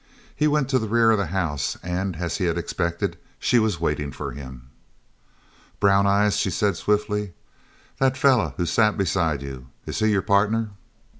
He went to the rear of the house and as he had expected she was waiting for him. "Brown eyes," she said swiftly, "that feller who sat beside you is he your partner?"